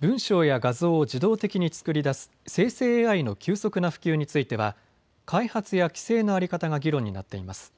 文章や画像を自動的に作り出す生成ＡＩの急速な普及については開発や規制の在り方が議論になっています。